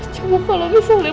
cuma kalau misalnya